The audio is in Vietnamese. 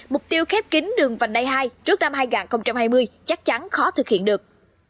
mục tiêu khép kín đường vành đai hai trước năm hai nghìn hai mươi chắc chắn khó thực hiện được